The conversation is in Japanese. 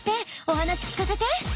お話聞かせて。